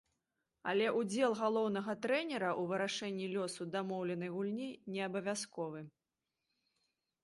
Але ўдзел галоўнага трэнера ў вырашэнні лёсу дамоўленай гульні неабавязковы.